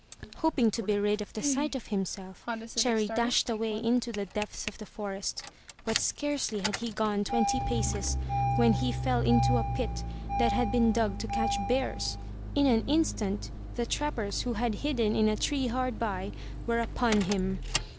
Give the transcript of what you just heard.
Hoping to be rid of the sight of himself, Cherry dashed away into the depths of the forest. But scarcely had he gone twenty paces when he fell into a pit that had been dug to catch bears. In an instant the trappers who had hidden in a tree hard by, were upon him.